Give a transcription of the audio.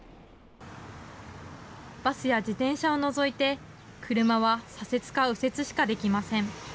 バスや自転車を除いて、車は左折か右折しかできません。